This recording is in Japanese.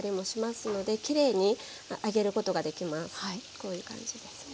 こういう感じですね。